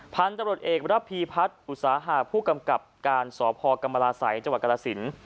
พันธุ์ตำรวจเอกรับพีพัฒน์อุตสาหะผู้กำกับการสพกรรมราศัยจังหวัดกรสิน